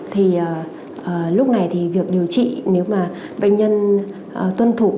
thì lúc này thì việc điều trị nếu mà bệnh nhân tuân thủ